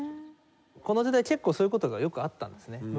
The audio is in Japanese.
この時代結構そういう事がよくあったんですね。